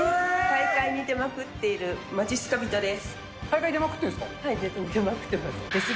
大会に出まくっているまじっすか人です。